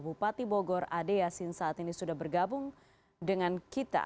bupati bogor ade yasin saat ini sudah bergabung dengan kita